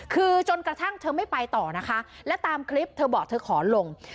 คือจนกระทั่งเธอไม่ไปต่อนะคะและตามคลิปเธอบอกเธอขอลง